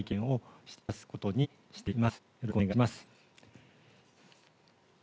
よろしくお願いします。